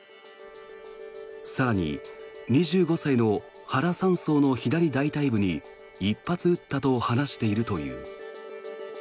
更に２５歳の原３曹の左大腿部に１発撃ったと話している。